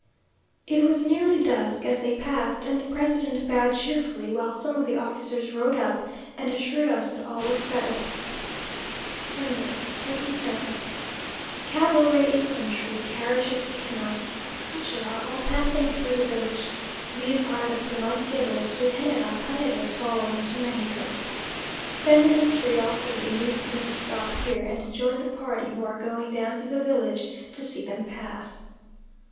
It was nearly dusk as they passed, and the president bowed cheerfully, while some of the officers rode up, and assured us that all was settled. Sunday, 27th. Cavalry, infantry, carriages, cannon, etc., are all passing through the village. These are the pronunciados, with General Paredes, following to Mexico. Feminine curiosity induces me to stop here, and to join the party who are going down to the village to see them pass....